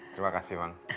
terima kasih mak